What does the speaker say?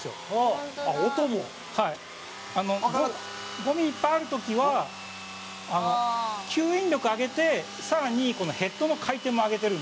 ゴミいっぱいある時は吸引力、上げて更に、このヘッドの回転も上げてるんで。